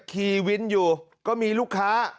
ขี่วินอยู่ก็มีลูกค้า